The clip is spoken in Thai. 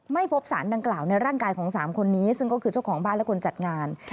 ไม่พบสารดังกล่าวในร่างกายของ๓คนนี้ซึ่งก็คือเจ้าของบ้านและคนจัดงาน